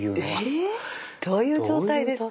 え⁉どういう状態ですか？